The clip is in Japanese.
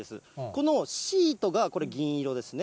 このシートがこれ、銀色ですね。